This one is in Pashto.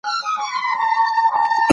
هغوی ته د زده کړې زمینه برابره کړئ.